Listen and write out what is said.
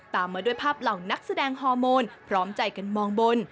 ตามมาด้วยภาพเหล่านักแสดงฮอร์โมนพร้อมใจกันมองบน